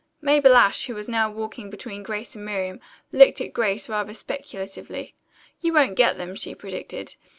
Mabel Ashe, who was now walking between Grace and Miriam, looked at Grace rather speculatively. "You won't get them," she predicted.